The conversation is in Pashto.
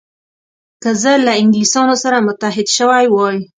که زه له انګلیسانو سره متحد شوی وای.